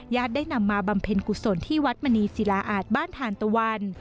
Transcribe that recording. ได้นำมาบำเพ็ญกุศลที่วัดมณีศิลาอาจบ้านทานตะวัน